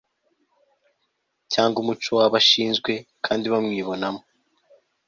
cyangwa umuco w'abo ashinzwe kandi bamwibonamo